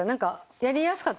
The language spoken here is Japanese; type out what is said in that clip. やりやすかった？